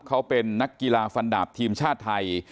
เขาเป็นนักกีฬาฟันดาบทีมชาติไทย